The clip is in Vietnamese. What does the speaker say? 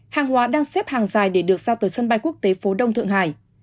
hàng hóa đang xếp hàng dài để được giao tới sân bay quốc tế phố đông thượng hải